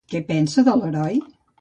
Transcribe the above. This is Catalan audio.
Què pensa de l'heroi?